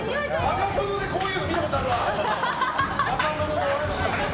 「バカ殿」でこういうの見たことあるな。